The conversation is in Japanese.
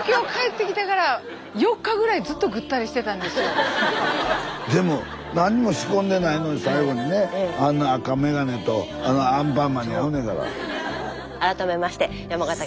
私でも何にも仕込んでないのに最後にねあんな赤メガネとあのアンパンマンに会うねんから。